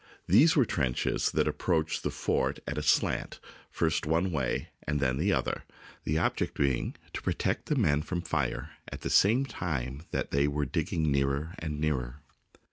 These were trenches that approached the fort at a slant, first one way and then the other, the object being to protect the men from fire at the same time that they were digging nearer and nearer.